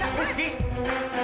keluar kamu keluar